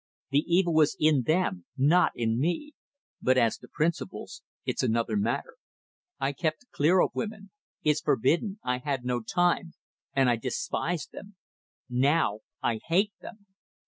The evil was in them, not in me. But as to principles, it's another matter. I kept clear of women. It's forbidden I had no time and I despised them. Now I hate them!"